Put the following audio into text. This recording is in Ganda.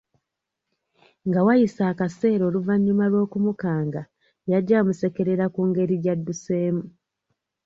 Nga wayise akaseera oluvannyuma lw'okumukanga yajja amusekerera ku ngeri gy'adduseemu.